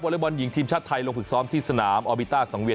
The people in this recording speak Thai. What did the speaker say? เล็กบอลหญิงทีมชาติไทยลงฝึกซ้อมที่สนามออบิต้าสังเวีย